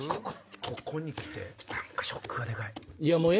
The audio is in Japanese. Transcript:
ここにきてショックがでかい。